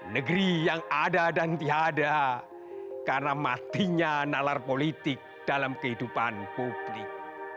negeri yang ada dan tiada karena matinya nalar politik dalam kehidupan publik